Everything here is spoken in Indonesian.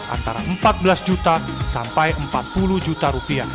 antara rp empat belas juta sampai rp empat puluh juta